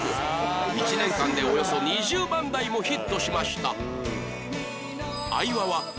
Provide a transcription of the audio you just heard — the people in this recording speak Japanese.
１年間でおよそ２０万台もヒットしました